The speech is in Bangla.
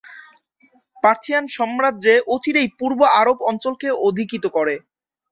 পার্থিয়ান সাম্রাজ্য অচিরেই পূর্ব আরব অঞ্চলকে অধিকৃত করে।